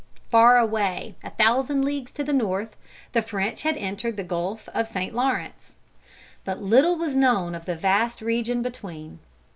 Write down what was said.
Far away a thousand leagues to the North, the French had entered the gulf of St. Lawrence. But little was known of the vast region between.